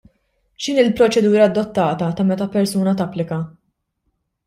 X'inhi l-proċedura adottata ta' meta persuna tapplika?